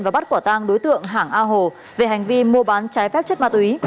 và bắt quả tang đối tượng hàng a hồ về hành vi mua bán trái phép chất ma túy